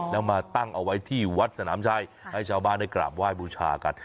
แล้วมาตั้งเอาไว้ที่วัดสนามชัยให้ชาวบ้านได้กราบไหว้บูชากัน